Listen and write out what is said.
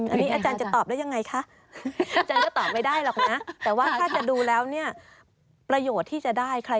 อันนี้อาจารย์จะตอบได้ยังไงคะ